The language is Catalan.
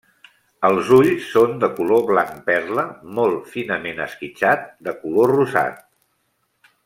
Els ulls són de color blanc perla, molt finament esquitxat de color rosat.